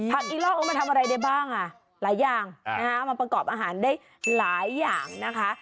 อีล่อเอามาทำอะไรได้บ้างอ่ะหลายอย่างมาประกอบอาหารได้หลายอย่างนะคะ